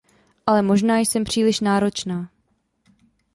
Ale možná jsem příliš náročná.